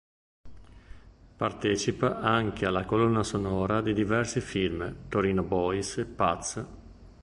Partecipa anche alla colonna sonora di diversi film: "Torino Boys", "Paz!